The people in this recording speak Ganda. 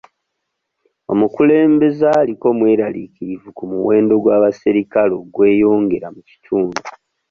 Omukulembeze aliko mweraliikirivu ku muwendo gw'abasirikale ogweyongera mu kitundu